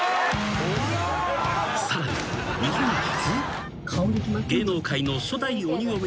［さらに日本初？］